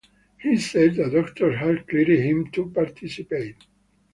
He said that doctors had cleared him to participate.